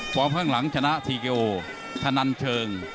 ข้างหลังชนะทีโอธนันเชิง